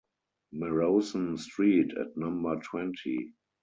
Maraussan street at number twenty